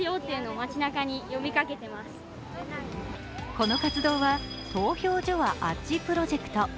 この活動は投票所はあっちプロジェクト。